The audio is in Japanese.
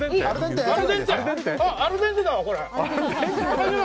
アルデンテだ、これ！